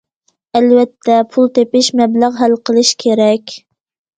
ئەلۋەتتە، پۇل تېپىش، مەبلەغ ھەل قىلىش كېرەك.